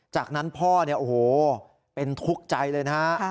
จากนั้นพ่อเนี่ยโอ้โหเป็นทุกข์ใจเลยนะฮะ